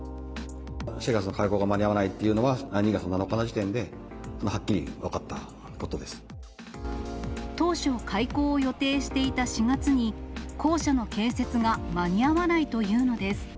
４月の開校が間に合わないというのは、２月７日の時点ではっ当初開校を予定していた４月に、校舎の建設が間に合わないというのです。